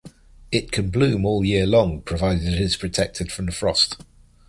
It can bloom all year long provided it is protected from frost.